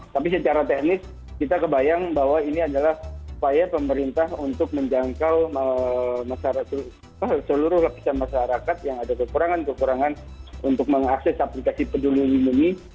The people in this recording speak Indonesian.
tapi secara teknis kita kebayang bahwa ini adalah upaya pemerintah untuk menjangkau seluruh lapisan masyarakat yang ada kekurangan kekurangan untuk mengakses aplikasi peduli lindungi